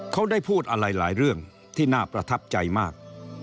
เขาได้พูดอะไรหลายเรื่องที่น่าประทับใจมาก